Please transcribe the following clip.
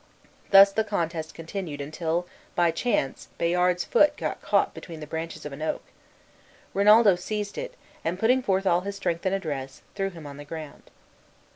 Thus the contest continued until by chance Bayard's foot got caught between the branches of an oak. Rinaldo seized it and putting forth all his strength and address, threw him on the ground.